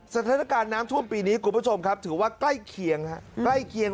สถานการณ์น้ำช่วงปีนี้คุณผู้ชมครับถือว่าใกล้เคียง